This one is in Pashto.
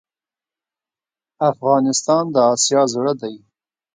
افغانستان د آسیا زړه ده.